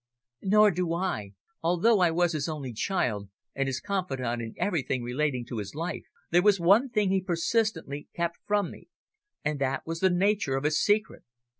"Nor do I. Although I was his only child, and his confidante in everything relating to his life, there was one thing he persistently kept from me, and that was the nature of his secret.